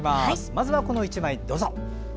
まずはこの１枚、どうぞ。